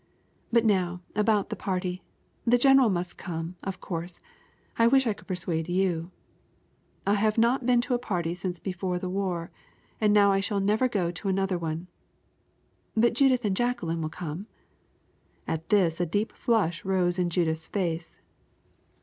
"But now about the party. The general must come, of course. I wish I could persuade you." "I have not been to a party since before the war, and now I shall never go to another one." "But Judith and Jacqueline will come." At this a deep flush rose in Judith's face.